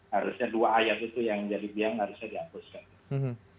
harusnya dua ayat itu yang jadi biang harusnya dihapuskan